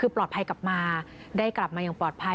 คือปลอดภัยกลับมาได้กลับมาอย่างปลอดภัย